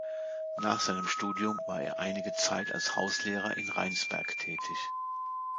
Nach seinem Studium war er einige Zeit als Hauslehrer in Rheinsberg tätig.